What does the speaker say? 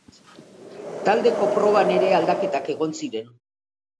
Taldeko proban ere aldaketak egon ziren.